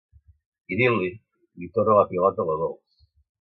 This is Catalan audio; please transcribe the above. Idil·li, li torna la pilota la Dols.